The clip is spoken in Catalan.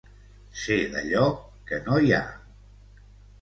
Ser d'allò que no hi ha.